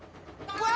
うわ！